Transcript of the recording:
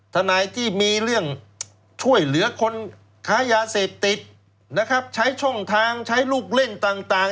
ทนายที่มีเรื่องช่วยเหลือคนค้ายาเสพติดนะครับใช้ช่องทางใช้ลูกเล่นต่าง